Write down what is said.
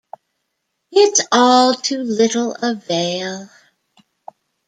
It's all to little avail.